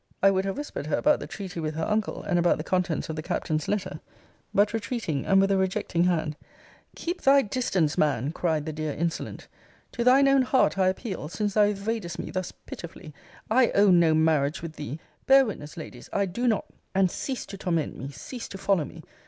I would have whispered her about the treaty with her uncle, and about the contents of the Captain's letter; but, retreating, and with a rejecting hand, Keep thy distance, man, cried the dear insolent to thine own heart I appeal, since thou evadest me thus pitifully! I own no marriage with thee! Bear witness, Ladies, I do not. And cease to torment me, cease to follow me.